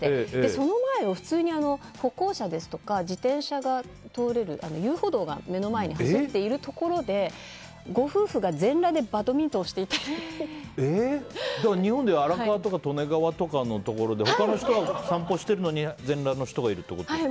その前も普通に歩行者ですとか自転車が通れる遊歩道が目の前にあるところでご夫婦が全裸で日本で荒川とか利根川で他の人が散歩してるのに全裸の人がいるってことですか。